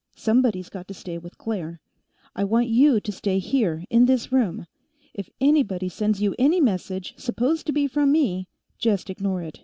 Somebody's got to stay with Claire. I want you to stay here, in this room. If anybody sends you any message supposed to be from me, just ignore it.